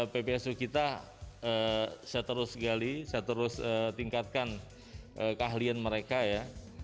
ppsu kita saya terus gali saya terus tingkatkan keahlian mereka ya